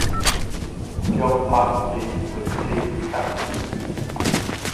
John Paske was the team captain.